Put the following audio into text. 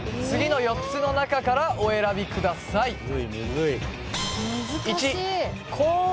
次の４つの中からお選びください